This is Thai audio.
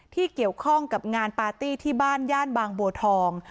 ที่เกี่ยวข้องกับงานปาร์ตี้ที่บ้านย่านบางบัวทอง